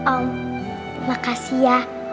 om makasih ya